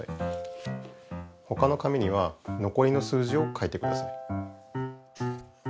他の紙にはのこりの数字を書いてください。